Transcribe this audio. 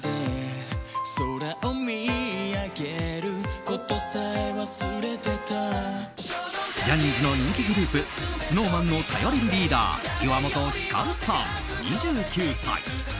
記念日ジャニーズの人気グループＳｎｏｗＭａｎの頼れるリーダー岩本照さん、２９歳。